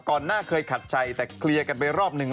หน้าเคยขัดใจแต่เคลียร์กันไปรอบหนึ่ง